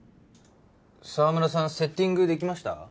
澤村さんセッティングできました？